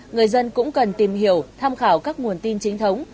người dân cũng cần tìm hiểu tham khảo các nguồn tin chính thống